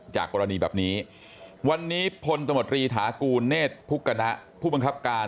จากกรณีแบบนี้วันนี้พลตมตรีฐากูลเนธพุกณะผู้บังคับการ